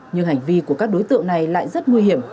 nhưng hành vi của các đối tượng này lại rất nguy hiểm